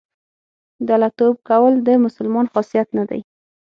دله توب کول د مسلمان خاصیت نه دی.